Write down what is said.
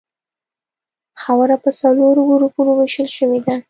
خاوره په څلورو ګروپونو ویشل شوې ده